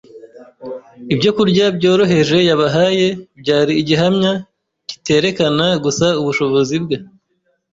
Ibyokurya byoroheje yabahaye byari igihamya kiterekana gusa ubushobozi bwe,